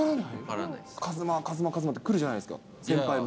和真、和真って来るじゃないですか、先輩も。